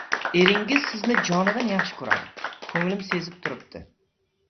Eringiz sizni jonidan yaxshi ko‘radi. Ko‘nglim sezib turibdi.